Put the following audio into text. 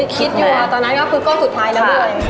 คิดอยู่ตอนนั้นก็คือก้อสุดท้ายนะมัน